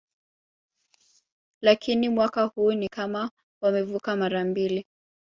Lakini mwaka huu ni kama wamevuka mara mbili